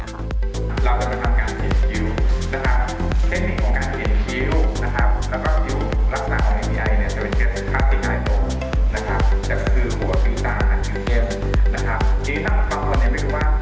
เราจะไปทำการเขียนคิ้วนะครับ